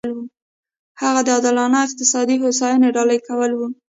هغه د عادلانه اقتصادي هوساینې ډالۍ کول و.